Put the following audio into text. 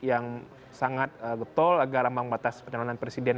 yang sangat getol agar ambang batas pencalonan presiden